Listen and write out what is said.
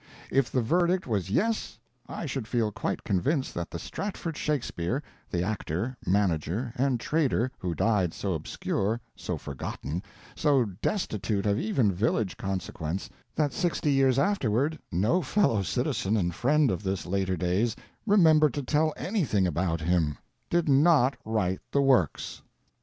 If the verdict was Yes, I should feel quite convinced that the Stratford Shakespeare, the actor, manager, and trader who died so obscure, so forgotten, so destitute of even village consequence, that sixty years afterward no fellow citizen and friend of his later days remembered to tell anything about him, did not write the Works.